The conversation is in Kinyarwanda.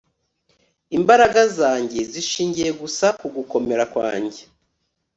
imbaraga zanjye zishingiye gusa ku gukomera kwanjye